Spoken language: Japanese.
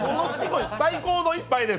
最高の一杯です！